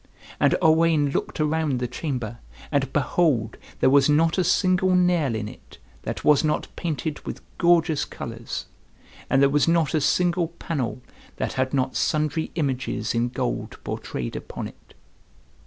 And Owain looked around the chamber, and behold there was not a single nail in it that was not painted with gorgeous colors, and there was not a single panel that had not sundry images in gold portrayed upon it.